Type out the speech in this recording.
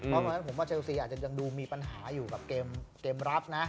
เพราะตอนนั้นผมว่าเชลซีอาจจะยังดูมีปัญหาอยู่กับเกมรับนะ